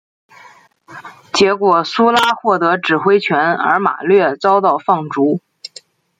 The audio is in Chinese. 结果苏拉获得指挥权而马略遭到放逐。